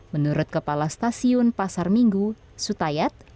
menurut kepala stasiun pasar minggu sutayat